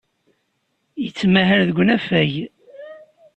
Yettmahal deg unafag.